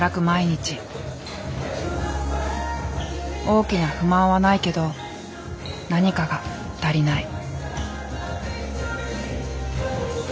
大きな不満はないけど何かが足りない。